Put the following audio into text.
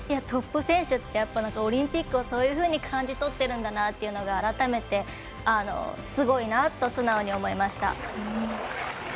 トップ選手ってオリンピックをそういうふうに感じ取っているんだなというのが改めて、すごいなと素直に思いました。